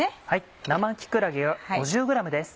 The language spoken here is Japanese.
生木くらげが５０ｇです。